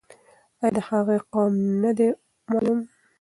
آیا د هغې قوم نه دی معلوم؟